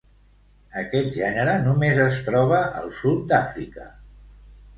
Aquest gènere només es troba al sud d'Àfrica.